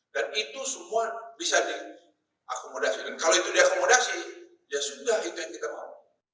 dan itu semua bisa diakomodasi dan kalau itu diakomodasi ya sudah itu yang kita mau